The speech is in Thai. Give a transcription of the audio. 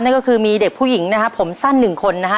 นั่นก็คือมีเด็กผู้หญิงนะครับผมสั้นหนึ่งคนนะฮะ